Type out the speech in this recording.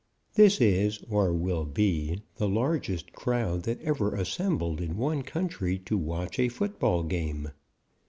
This is, or will be, the largest crowd that ever assembled in one country to watch a football game."